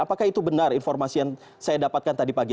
apakah itu benar informasi yang saya dapatkan tadi pagi